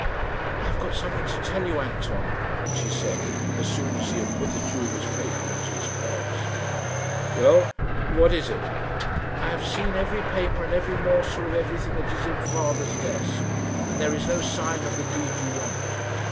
"I have got something to tell you, Anton," she said, as soon as he had put the jeweller's paper into his purse. "Well what is it?" "I have seen every paper and every morsel of everything that is in father's desk, and there is no sign of the deed you want."